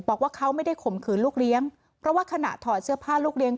บอกว่าเขาไม่ได้ข่มขืนลูกเลี้ยงเพราะว่าขณะถอดเสื้อผ้าลูกเลี้ย